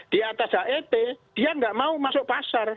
di atas het dia nggak mau masuk pasar